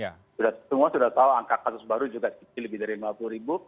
semua sudah tahu angka kasus baru juga lebih dari lima puluh ribu